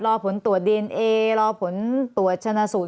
รอผลตรวจดีเอนเอรอผลตรวจชนะสูตร